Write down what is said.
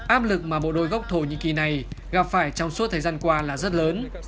áp lực mà bộ đôi gốc thổ nhĩ kỳ này gặp phải trong suốt thời gian qua là rất lớn